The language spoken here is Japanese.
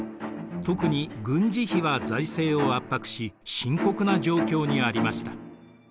特に軍事費は財政を圧迫し深刻な状況にありました。